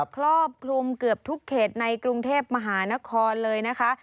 ครอบคลุมเกือบทุกเขตในกรุงเทพมหานครเลยนะคะ